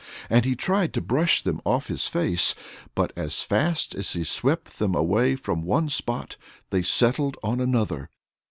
And he tried to brush them off his face. But as fast as he swept them away from one spot they settled on another.